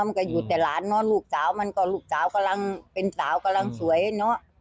มันก็อยู่แต่หลานเนอะลูกสาวมันก็ลูกสาวกำลังเป็นสาวกำลังสวยเนอะ